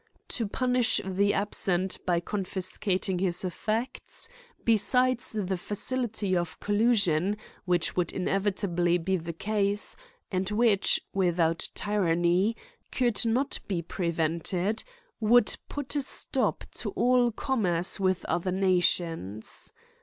To punish the absent by confis cating his effects, besides the facility of collusion, which would inevitably be the case, and which, without tyranny, could not be prevented, would put a stop to all commerce with other nations.